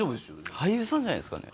俳優さんじゃないですかね？